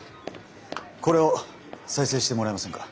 これを再生してもらえませんか？